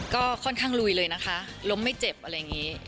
ก็ค่อนข้างลุยเลยนะคะล้มไม่เจ็บอะไรอย่างนี้